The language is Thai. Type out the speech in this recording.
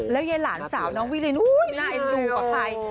แล้วยายหลานสาวน้องวิรินอุ้ยหน้าไอ้ลูกกว่าใคร